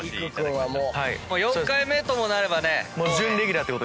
４回目ともなればね。